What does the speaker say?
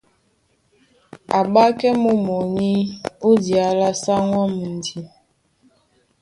A ́ɓákɛ́ mú mɔní ó diá lá sáŋgó á mundi.